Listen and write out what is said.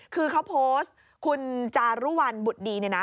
คือเขาโพสต์คุณจารุวัลบุตรดีเนี่ยนะ